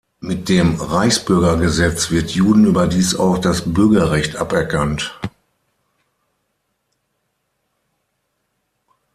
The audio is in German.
Mit dem "Reichsbürgergesetz" wird Juden überdies auch das Bürgerrecht aberkannt.